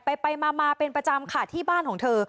ไปไปมามาเป็นประจำค่ะที่บ้านของเธอ